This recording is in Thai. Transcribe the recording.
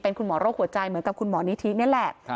คุณหมอโรคหัวใจเหมือนกับคุณหมอนิธินี่แหละ